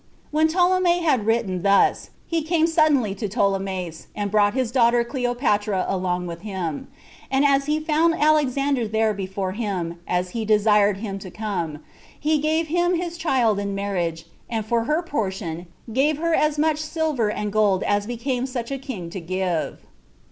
When Ptolemy had written thus, he came suddenly to Ptolemais, and brought his daughter Cleopatra along with him; and as he found Alexander there before him, as he desired him to come, he gave him his child in marriage, and for her portion gave her as much silver and gold as became such a king to give.